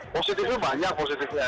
positifnya banyak positifnya